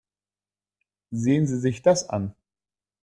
Sehen Sie sich das an.